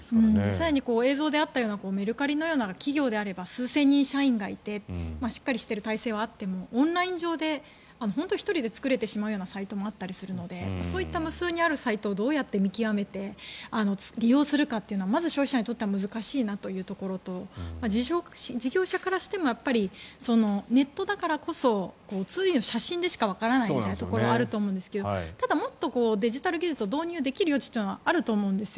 更に映像であったようなメルカリのような企業であれば数千人、社員がいてしっかりしてる体制はあってもオンライン上で本当に１人で作れてしまうようなサイトもあったりするのでそういった無数にあるサイトをどうやって見極めて利用するかというのはまず消費者にとっては難しいなというところと事業者からしてもネットだからこそ写真でしかわからないところはあるんですけどただ、もっとデジタル技術を導入できる余地はあると思うんです。